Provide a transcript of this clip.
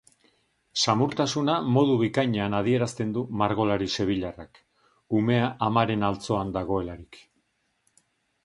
Samurtasuna modu bikainean adierazten du margolari sevillarrak, umea amaren altzoan dagoelarik.